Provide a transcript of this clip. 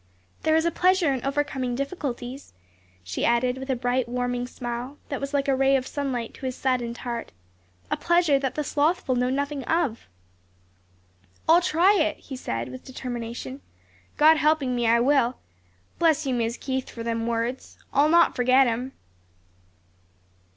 "There is a pleasure in overcoming difficulties," she added with a bright, winning smile, that was like a ray of sunlight to his saddened heart, "a pleasure that the slothful know nothing of." "I'll try it!" he said with determination. "God helping me, I will. Bless you, Mis' Keith, fur them words. I'll not forget 'em."